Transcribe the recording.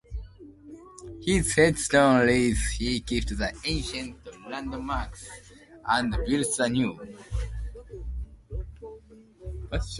His headstone reads He kept the ancient landmarks and built the new.